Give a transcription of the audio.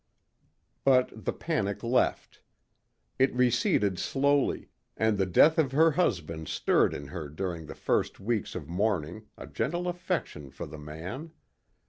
But the panic left. It receded slowly and the death of her husband stirred in her during the first weeks of mourning a gentle affection for the man.